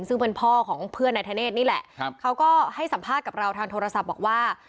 ซึ่งเป็นพ่อของเพื่อนนายธเนธนี่แหละเขาก็ให้สัมภาษณ์กับเราทางโทรศัพท์บอกว่า